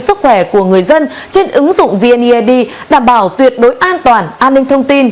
sức khỏe của người dân trên ứng dụng vneid đảm bảo tuyệt đối an toàn an ninh thông tin